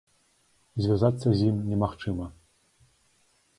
Звязацца з ім немагчыма.